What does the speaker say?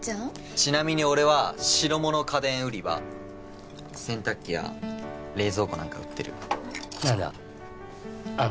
ちなみに俺は白物家電売り場洗濯機や冷蔵庫なんか売ってるなんだあんた